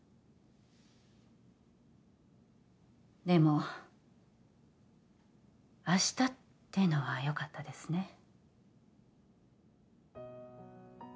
でも明日ってのはよかったですね